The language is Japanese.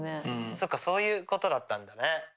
そっかそういうことだったんだね。